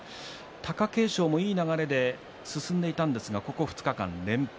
貴景勝もいい流れで進んでいたんですがここ２日間連敗。